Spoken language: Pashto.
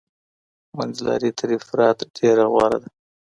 منځلاري تر افراط ډیره غوره ده.